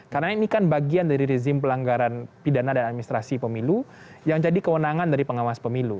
karena ini kan bagian dari rezim pelanggaran pidana dan administrasi pemilu yang jadi kewenangan dari pengawas pemilu